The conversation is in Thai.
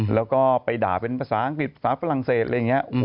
แล้วก็ไปด่าเป็นภาษาอังกฤษภาษาฝรั่งเศสอะไรอย่างนี้